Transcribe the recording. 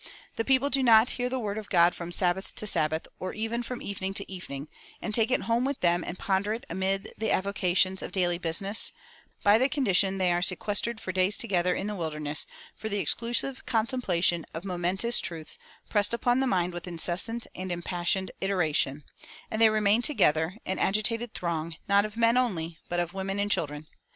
The people do not hear the word of God from Sabbath to Sabbath, or even from evening to evening, and take it home with them and ponder it amid the avocations of daily business; by the conditions, they are sequestered for days together in the wilderness for the exclusive contemplation of momentous truths pressed upon the mind with incessant and impassioned iteration; and they remain together, an agitated throng, not of men only, but of women and children.